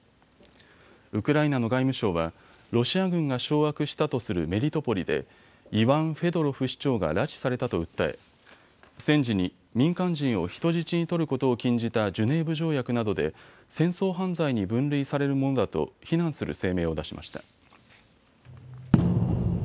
ウクライナの外務省はロシア軍が掌握したとするメリトポリでイワン・フェドロフ市長が拉致されたと訴え戦時に民間人を人質に取ることを禁じたジュネーブ条約などで戦争犯罪に分類されるものだと非難する声明を出しました。